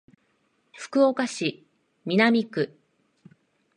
福岡市南区